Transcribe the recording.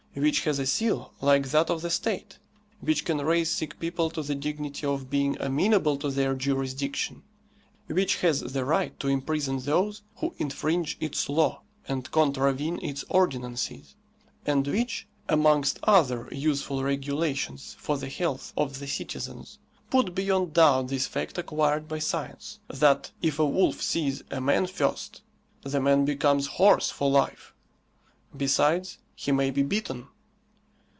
which has a seal like that of the State, which can raise sick people to the dignity of being amenable to their jurisdiction, which has the right to imprison those who infringe its law and contravene its ordinances, and which, amongst other useful regulations for the health of the citizens, put beyond doubt this fact acquired by science; that if a wolf sees a man first, the man becomes hoarse for life. Besides, he may be bitten.